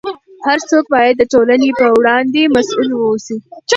هر څوک باید د ټولنې په وړاندې مسؤل واوسي.